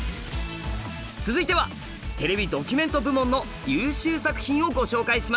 続いてはテレビドキュメント部門の優秀作品をご紹介します！